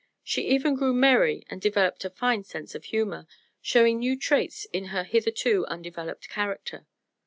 She even grew merry and developed a fine sense of humor, showing new traits in her hitherto undeveloped character.